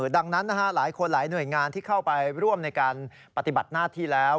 ดังนั้นหลายคนหลายหน่วยงานที่เข้าไปร่วมในการปฏิบัติหน้าที่แล้ว